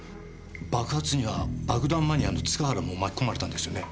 爆発には爆弾マニアの塚原も巻き込まれたんですよね？